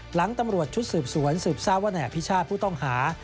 หลังตำรวจชุดสืบสวนสืบทราบว่านายอภิชาติผู้ต้องหา